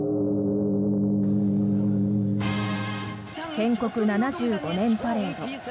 建国７５年パレード。